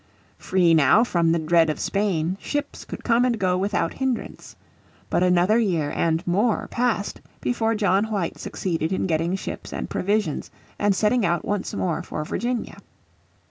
Free now from the dread of Spain, ships could come and go without hindrance. But another year and more passed before John White succeeded in getting ships and provisions and setting out once more for Virginia.